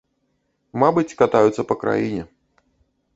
Мабыць, катаюцца па краіне.